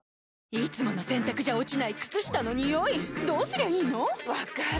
いつもの洗たくじゃ落ちない靴下のニオイどうすりゃいいの⁉分かる。